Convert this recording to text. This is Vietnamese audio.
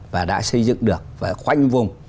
và đã xây dựng được và khoanh vùng